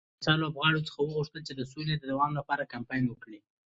پاچا لوبغاړو څخه وغوښتل چې د سولې د دوام لپاره کمپاين وکړي.